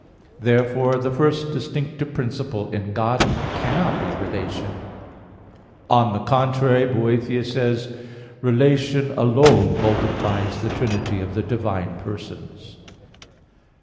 Therefore the first distinctive principle in God cannot be relation. On the contrary, Boethius says (De Trin.): "Relation alone multiplies the Trinity of the divine persons."